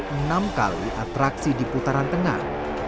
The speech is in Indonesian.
dan per ronde berisi enam kali atraksi di putaran tengah